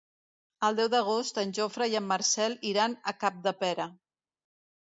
El deu d'agost en Jofre i en Marcel iran a Capdepera.